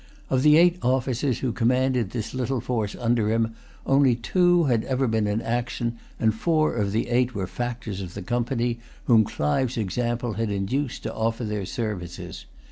Of the eight officers who commanded this little force under him, only two had ever been in action, and four of the eight were factors of the Company, whom Clive's example had induced to offer their services.